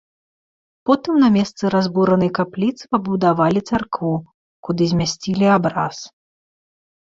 Потым на месцы разбуранай капліцы пабудавалі царкву, куды змясцілі абраз.